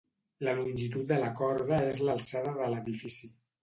La longitud de la corda és l'alçada de l'edifici.